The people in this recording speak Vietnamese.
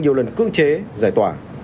nhiều lần cưỡng chế giải tỏa